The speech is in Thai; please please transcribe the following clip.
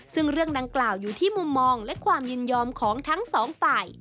ซึ่งเรื่องดังกล่าวอยู่ที่มุมมองและความยินยอมของทั้งสองฝ่าย